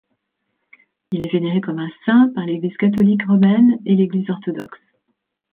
Il est vénéré comme un saint par l'Église catholique romaine et l'Église orthodoxe.